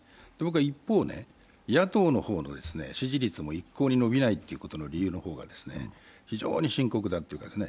一方、野党の方の支持率も一向に伸びない理由の方が非常に深刻なというかね。